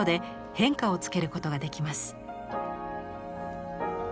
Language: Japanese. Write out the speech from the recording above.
変化をつけることができます。